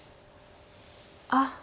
あっ。